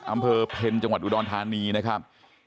อำเภอเพ็ญจังหวัดอุดรธานีนะครับ